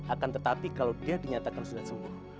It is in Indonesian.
akan tetapi kalau dia dinyatakan sudah sembuh